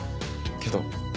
けど